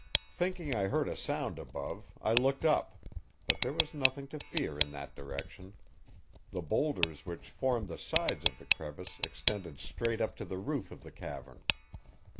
Thinking I heard a sound above, I looked up; but there was nothing to fear in that direction. The boulders which formed the sides of the crevice extended straight up to the roof of the cavern.